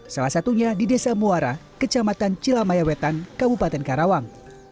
salah satunya di desa muara kecamatan cilamaya wetan kabupaten karawang